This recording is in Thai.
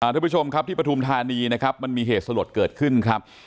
ทุกผู้ชมครับที่ปฐุมธานีนะครับมันมีเหตุสลดเกิดขึ้นครับ